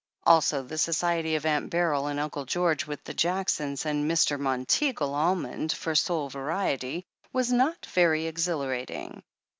Also, the society of Aunt Beryl and Uncle George, with the Jacksons and Mr. Monteagle Almond for sole variety, was not very exhilarating.